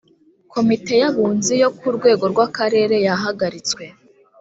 komite y ‘abunzi yo ku rwego rwa karere yahagaritswe